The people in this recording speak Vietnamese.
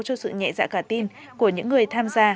cho sự nhẹ dạ cả tin của những người tham gia